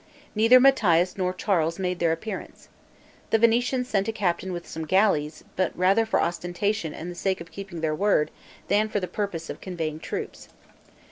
Neither Matthias nor Charles made their appearance. The Venetians sent a captain with some galleys, but rather for ostentation and the sake of keeping their word, than for the purpose of conveying troops.